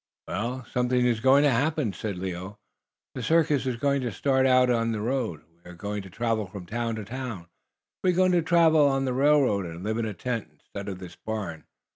"Well, something is going to happen," said Leo. "The circus is going to start out on the road we are going to travel from town to town. We are going to travel on the railroad and live in a tent instead of this barn.